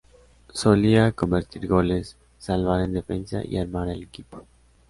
Solía convertir goles, salvar en defensa y armar al equipo.